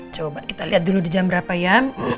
coba kita lihat dulu di jam berapa ya